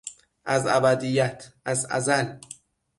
از ابدیت، از ازل